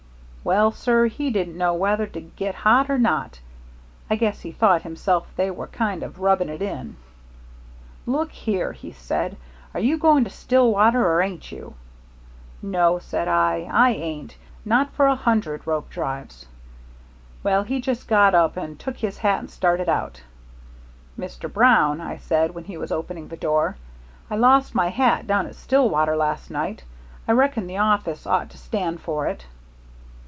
Well, sir, he didn't know whether to get hot or not. I guess he thought himself they were kind of rubbing it in. 'Look here,' he said, 'are you going to Stillwater, or ain't you?' 'No,' said I, 'I ain't. Not for a hundred rope drives.' Well, he just got up and took his hat and started out. 'Mr. Brown,' I said, when he was opening the door, 'I lost my hat down at Stillwater last night. I reckon the office ought to stand for it.'